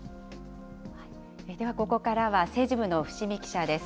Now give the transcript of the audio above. ではここからは、政治部の伏見記者です。